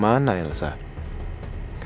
dia akan mengambil kesempatan